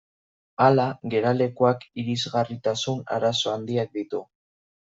Hala, geralekuak irisgarritasun arazo handiak ditu.